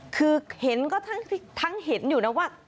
คือเห็นก็ทั้งเห็นอยู่นะว่า